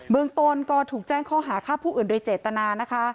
เมืองตนก็ถูกแจ้งข้อหาฆ่าผู้อื่นโดยเจตนานะคะ